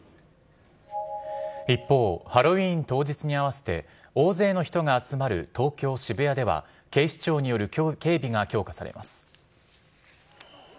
一方、ハロウィーン当日に合わせて、大勢の人が集まる東京・渋谷では、警視庁による警備が強化されます。